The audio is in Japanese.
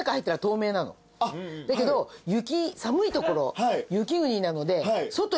だけど寒いところ雪国なので。